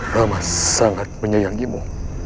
rama sangat menyayangimu